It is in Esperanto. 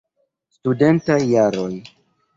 Studentaj jaroj.